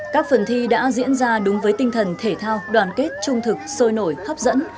các phần thi đã diễn ra đúng với tinh thần thể thao đoàn kết trung thực sôi nổi hấp dẫn